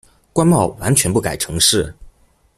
關貿完全不改程式